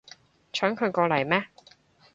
搶佢過嚟咩